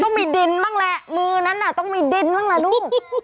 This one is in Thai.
มีดินบ้างแหละมือนั้นน่ะต้องมีดินบ้างล่ะลูก